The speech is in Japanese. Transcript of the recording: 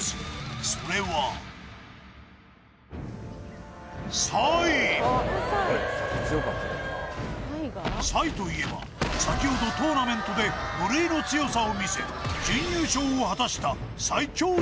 それはサイといえば先ほどトーナメントで無類の強さを見せ準優勝を果たした最強生物